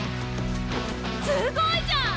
すごいじゃん！